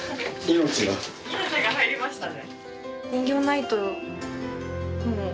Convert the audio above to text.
命が入りましたね。